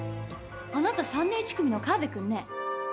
あなた３年１組の川辺君ね」